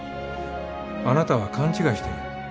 あなたは勘違いしてる。